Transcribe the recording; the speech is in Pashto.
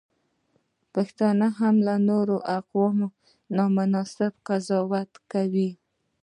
پښتانه هم نور اقوام ناسم قضاوتوي.